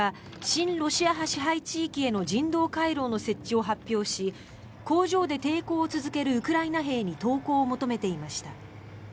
親ロシア派支配地域への人道回廊の設置を発表し工場で抵抗を続けるウクライナ兵に投降を求めていました。